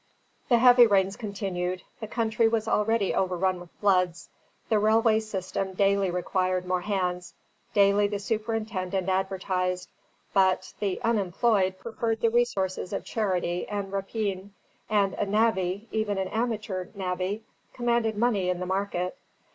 The heavy rains continued, the country was already overrun with floods; the railway system daily required more hands, daily the superintendent advertised; but "the unemployed" preferred the resources of charity and rapine, and a navvy, even an amateur navvy, commanded money in the market.